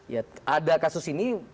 ya ada kasus ini